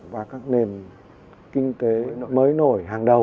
và các nền kinh tế mới nổi hàng đầu